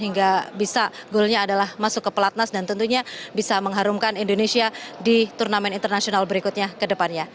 hingga bisa goalnya adalah masuk ke pelatnas dan tentunya bisa mengharumkan indonesia di turnamen internasional berikutnya ke depannya